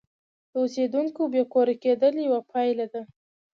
د اوسیدونکو بې کوره کېدل یوه پایله ده.